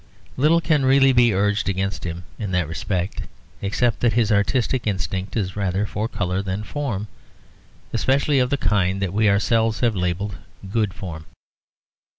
Little can really be urged against him, in that respect, except that his artistic instinct is rather for colour than form, especially of the kind that we ourselves have labelled good form.